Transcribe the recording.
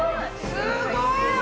すごい！